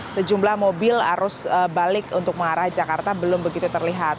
sejumlah mobil arus balik untuk mengarah jakarta belum begitu terlihat